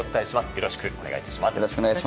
よろしくお願いします。